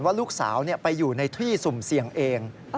ว่าลูกสาวไปอยู่ในที่สุ่มเสี่ยงเอง